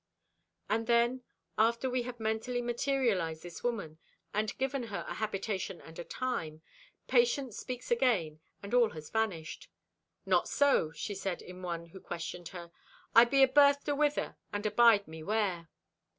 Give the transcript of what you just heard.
And then, after we have mentally materialized this woman, and given her a habitation and a time, Patience speaks again, and all has vanished. "Not so," she said to one who questioned her, "I be abirthed awhither and abide me where."